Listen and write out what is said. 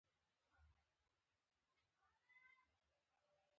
کورس د نویو مفاهیمو درک دی.